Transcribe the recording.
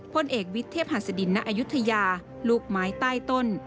พลเอกวิทย์เทพหัสดินณอายุทยาลูกไม้ใต้ต้น